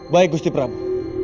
baik gusti prabu